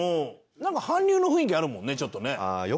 なんか韓流の雰囲気あるもんねちょっとね。